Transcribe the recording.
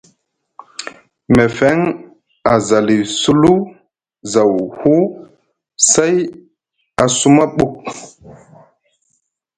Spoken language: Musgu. Mefeŋ a zali culu zaw hu, say a suma ɓuk.